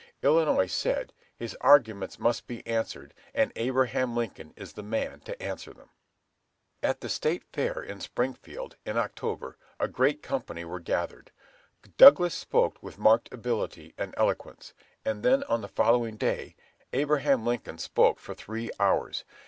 Illinois said, "His arguments must be answered, and Abraham Lincoln is the man to answer them!" At the State Fair at Springfield, in October, a great company were gathered. Douglas spoke with marked ability and eloquence, and then on the following day, Abraham Lincoln spoke for three hours.